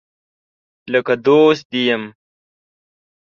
لکه دوست دي یم